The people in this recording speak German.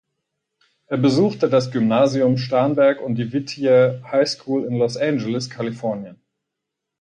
Er besuchte das Gymnasium Starnberg und die Whittier High School in Los Angeles, Kalifornien.